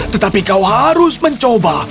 tetapi kau harus mencoba